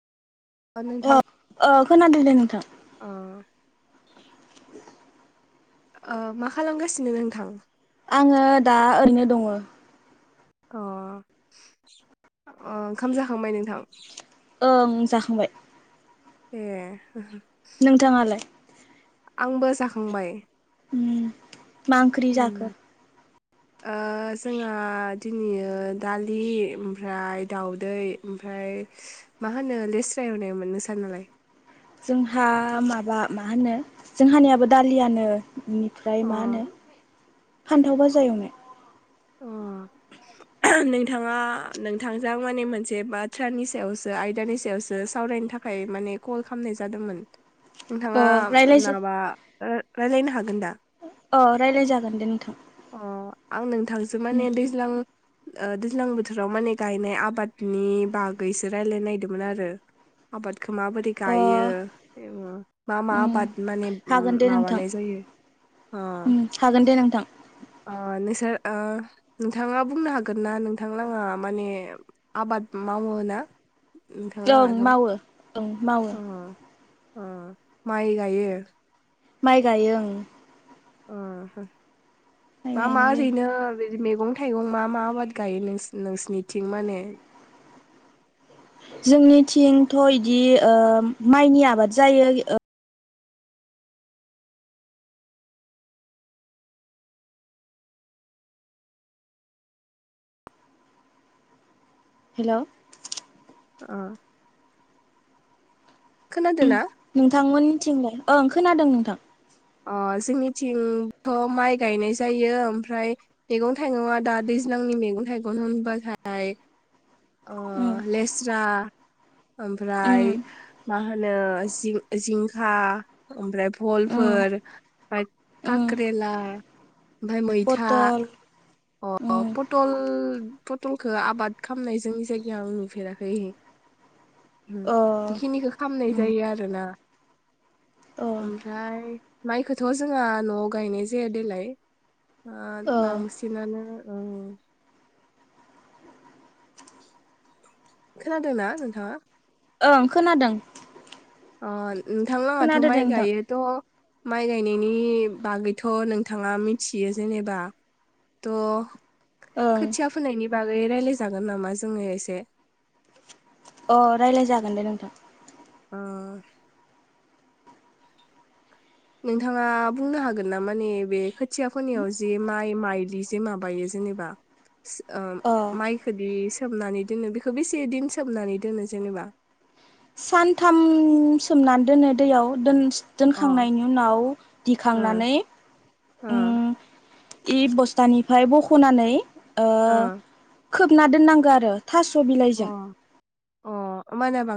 अ ओ खोनादों दे नोंथां। अ। ओ मा खालामगासिनो नोंथां? आङो दा ओरैनो दङ। अ अ ओंखाम जाखांबाय नोंथां? ओं जाखांबाय। ए। नोंथाङालाय? आंबो जाखांबाय। उम। मा ओंख्रि उम। जाखो ओ जोंहा दिनैयो दालि ओमफ्राय दाउदै ओमफ्राय मा होनो लेसरा एवनाय मोन नोंसा नालाय? जोंहा माबा मा होनो जोंहानियाबो दालियानो। बेनिफ्राय अ मा होनो फानथाव फाजा एवनाय। अ। नोंथाङा नोंथांजों आं माने मोनसे बाथ्रानि सायावसो आयदानि सायावसो सावरायनो थाख थाखाय माने‌ कल खालामनाय जादोंमोन। अ नोंथाङा रायलाय माबा ओ रायलायनो हागोन दा? ओ रायलाय जागोन दे नोंथां। अ आं नोंथांजों माने दैज्लां ओ दैज्लां बोथोराव माने गायनाय आबादनि बागैसो रायलायनो नागदोंमोन आरो। आबादखो माबोरै अ गायो [unintelligible] मा मा उम आबाद माने उम हागोन दे नोंथां माबानाय जायो अ। उम हागोन दे नोंथां। अ नोंसोर ओ नोंथाङा बुंनो हागोन ना नोंथां लांङा माने आबाद मावोना? ओं मावो ओं मावो। ओम माइ गायो? माइ गायो ओं। ओम माइ मा मा गायनाय जायो ओरैनो बेदि मैगं-थाइगं मा मा आबाद गायो नोंसि नोंसनिथिं माने? जोंनिथिंथ' इदि ओ माइनि आबाद जायो ओ हेलौ। अ। खोनादो ना? नोंथां मोननिथिंलाय ओं खोनादों नोंथां। अ जोंनिथिंथ' माइ गायनाय जायो ओमफ्राय मैगं थाइगं दा दैज्लांनि मैगं थाइगं होनबाथाय अ उम लेस्रा। ओमफ्राय उम मा होनो जिंखा ओमफ्राय भल उम फोर ब उम कक्रेला ओमफ्राय मैथा पटल अ उम पटल पटलखौ आबाद खालामनाय जोंनि जायगायाव आं नुफेराखै। अ बेखिनिखौ खालामामनाय उम जायो आरोना अ ओमफ्राय माइखौथ' जोंहा न'आव गायनाय जाया देलाय अ बांसिनानो औ खोनादों न नोंथाङा ओं खोनादों। अ नोंथां मोनहाथ' खोनादो दे माइ नोंथां गायो। थ' माइ गायनायनि बागैथ' नोंथाङा मिथियो जेनेबा थ ओं खोथिया फोनायनि बागै रायजलायजागोन नामा जोङो एसे अ रायज्लाय जागोन दे नोंथां। उम नोंथाङा बुंनो हागोन ना माने बे खोथियाफोरनियाव जे माइ माइलि जे माबायो जेनेबा अ माइखोदि सोमनानै दोनो बेखौ बेसे दिन सोमनानै दोनो जेनेबा सानथाम सोमनानै दोनो दैयाव दोन अ दोनखांनायनि उनाव ओ दिखांनानै ओ उम बे बस्थानिफ्राय बख'नानै खोबना दोननांगौ आरो। थास' ओ बिलाइजों। अ अ माने बां